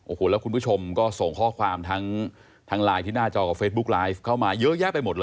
โอ้โหแล้วคุณผู้ชมก็ส่งข้อความทั้งไลน์ที่หน้าจอกับเฟซบุ๊กไลฟ์เข้ามาเยอะแยะไปหมดเลย